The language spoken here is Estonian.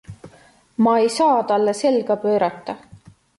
Ma ei saa talle selga pöörata.